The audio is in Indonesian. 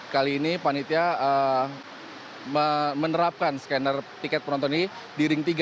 kali ini panitia menerapkan scanner tiket penonton ini di ring tiga